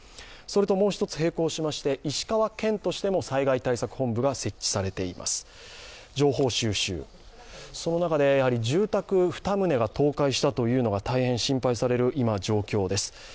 もう一つ並行しまして石川県としても災害対策本部が設置されています、情報収集、その中で住宅２棟が倒壊したというのが今、大変心配される状況です。